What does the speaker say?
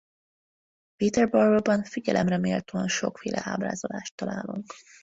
Peterborough-ban figyelemre méltóan sokféle ábrázolást találunk.